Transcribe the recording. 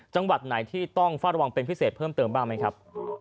จังหวัดไหนที่ต้องเฝ้าระวังเป็นพิเศษเพิ่มเติมบ้างไหมครับ